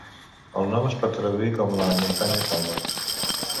El nom es pot traduir com la "muntanya calba".